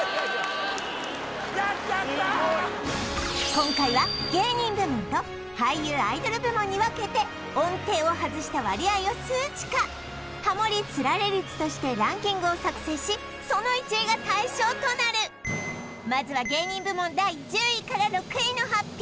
今回は芸人部門と俳優アイドル部門に分けて音程を外した割合を数値化ハモリつられ率としてランキングを作成しその１位が大賞となるまずは芸人部門第１０位から６位の発表